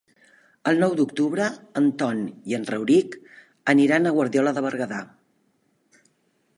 El nou d'octubre en Ton i en Rauric aniran a Guardiola de Berguedà.